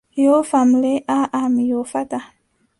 Yoofam le aaʼa mi yoofataaa.